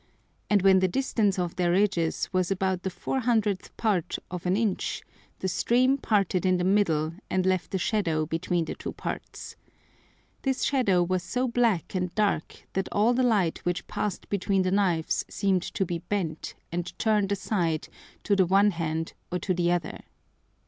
And when the distance of their edges was about the 400th part of an Inch, the stream parted in the middle, and left a Shadow between the two parts. This Shadow was so black and dark that all the Light which passed between the Knives seem'd to be bent, and turn'd aside to the one hand or to the other.